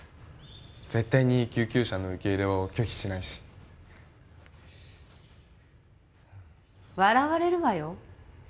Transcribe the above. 絶対に救急車の受け入れを拒否しないし笑われるわよ